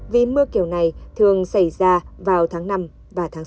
vì mưa kiểu này thường xảy ra vào tháng năm và tháng sáu